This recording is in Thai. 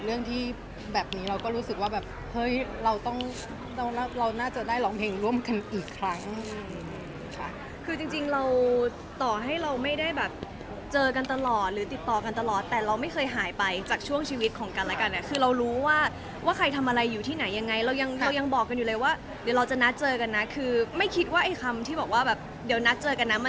เรื่องที่แบบนี้เราก็รู้สึกว่าแบบเฮ้ยเราต้องเราเราน่าจะได้ร้องเพลงร่วมกันอีกครั้งค่ะคือจริงจริงเราต่อให้เราไม่ได้แบบเจอกันตลอดหรือติดต่อกันตลอดแต่เราไม่เคยหายไปจากช่วงชีวิตของกันแล้วกันอ่ะคือเรารู้ว่าว่าใครทำอะไรอยู่ที่ไหนยังไงเรายังเรายังบอกกันอยู่เลยว่าเดี๋ยวเราจะนัดเจอกันนะคือไม่คิดว่าไอ้คำที่บอกว่าแบบเดี๋ยวนัดเจอกันนะมัน